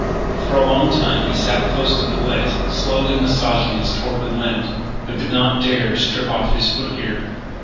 For a long time he sat close to the blaze, slowly massaging his torpid limbs, but did not dare strip off his foot gear.